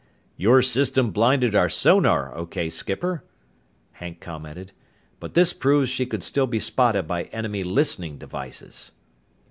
"Your system blinded our sonar okay, skipper," Hank commented, "but this proves she could still be spotted by enemy listening devices."